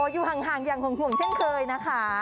อยู่ห่างอย่างห่วงเช่นเคยนะคะ